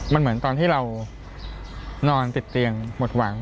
มันเหมือนตอนที่เรานอนติดเตียงหมดหวัง